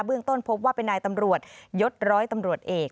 เรื่องต้นพบว่าเป็นนายตำรวจยศร้อยตำรวจเอก